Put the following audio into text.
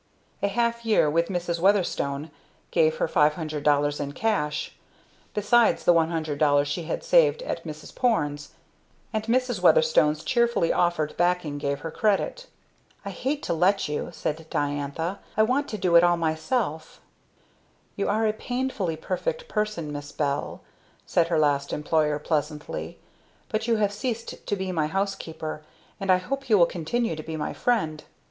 A half year with Mrs. Weatherstone gave her $500 in cash, besides the $100 she had saved at Mrs. Porne's; and Mrs. Weatherstone's cheerfully offered backing gave her credit. "I hate to let you," said Diantha, "I want to do it all myself." "You are a painfully perfect person, Miss Bell," said her last employer, pleasantly, "but you have ceased to be my housekeeper and I hope you will continue to be my friend.